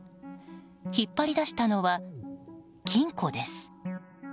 引っ張り出したのは金庫です。